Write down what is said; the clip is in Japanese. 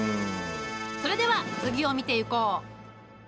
それでは次を見ていこう！